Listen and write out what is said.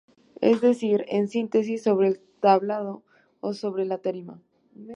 Es decir, en síntesis sobre el tablado o sobre la tarima.